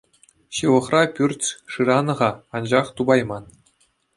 Ҫывӑхра пӳрт шыранӑ-ха, анчах тупайман.